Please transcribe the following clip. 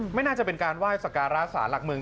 ไม่น่าจะเป็นการไหว้สการะสารหลักเมือง